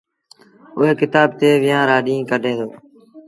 اُئي ڪتآب تي ويهآݩ رآ ڏيٚݩهݩ ڪڍي دو۔